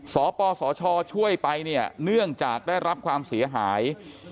สปสชช่วยไปเนี่ยเนื่องจากได้รับความเสียหาย